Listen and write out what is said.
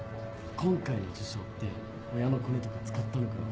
今回の受賞って親のコネとか使ったのかな？